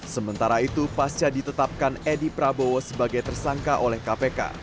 sementara itu pasca ditetapkan edi prabowo sebagai tersangka oleh kpk